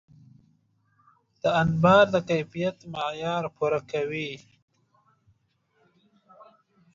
دا انبار د کیفیت معیار پوره کوي.